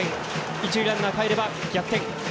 一塁ランナーかえれば逆転。